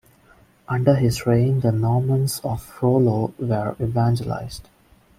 Under his reign the Normans of Rollo were evangelized.